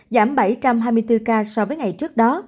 giảm bảy trăm hai mươi bốn ca so với ngày trước đó